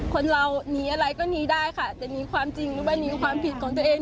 คนเราหนีอะไรก็หนีได้ค่ะจะหนีความจริงหรือว่าหนีความผิดของตัวเอง